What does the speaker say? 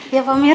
iya pak amir